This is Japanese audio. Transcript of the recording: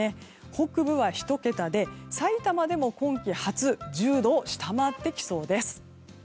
北部は１桁でさいたまでも今季初１０度を下回ってきそうです。